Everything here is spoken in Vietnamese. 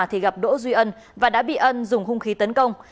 thì gặp đỗ duy ân và đã bị ân dùng hung khí tấn công